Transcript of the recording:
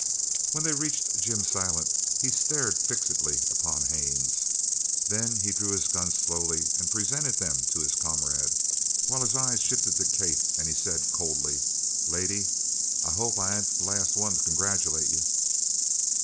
When they reached Jim Silent he stared fixedly upon Haines. Then he drew his guns slowly and presented them to his comrade, while his eyes shifted to Kate and he said coldly: "Lady, I hope I ain't the last one to congratulate you!"